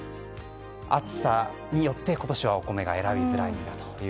暑さによって今年はお米が選びづらいと。